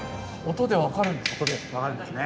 音で分かるんですね。